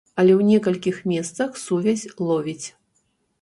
Але ў некалькіх месцах сувязь ловіць.